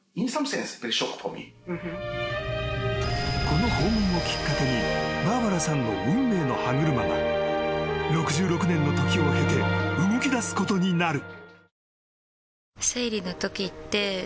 ［この訪問をきっかけにバーバラさんの運命の歯車が６６年の時を経て動きだすことになる］